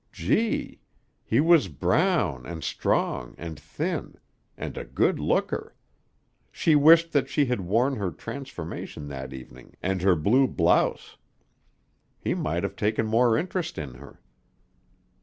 Gee! He was brown and strong and thin! And a good looker! She wished that she had worn her transformation that evening and her blue blouse. He might have taken more interest in her.